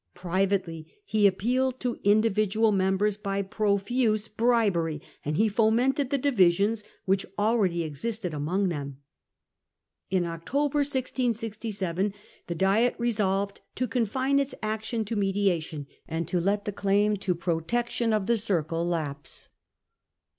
Pri Ratisbon vately he appealed to individual members by opposeLouis, profuse bribery ; and he fomented the divisions October 1667. which already existed among them. In October 1667 the Diet resolved to confine its action to mediation, and to let the claim to protection of the c circle ' lapse.